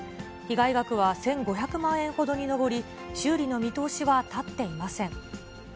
被害額は１５００万円ほどに上り、修理の見通しは立っていません。